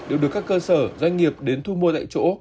đều được các cơ sở doanh nghiệp đến thu mua tại chỗ